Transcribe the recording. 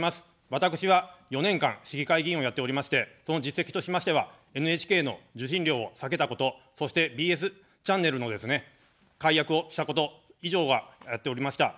私は４年間、市議会議員をやっておりまして、その実績としましてはＮＨＫの受信料を下げたこと、そしてＢＳチャンネルのですね、解約をしたこと、以上は、やっておりました。